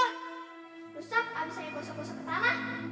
rusak habisnya gosok gosok tanah